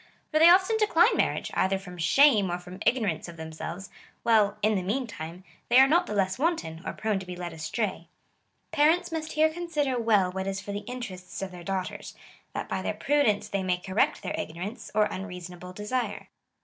For they often decline marriage, either from shame or from igno rance of themselves, while, in the meantime, they are not the less wanton, or prone to be led astray." Parents must here consider well what is for the interests of their daughters, that by their prudence they may correct their ignorance, or unreasonable desire.